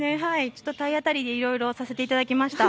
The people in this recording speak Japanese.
ちょっと体当たりでいろいろさせていただきました。